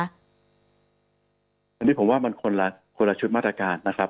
อันนี้ผมว่ามันคนละชุดมาตรการนะครับ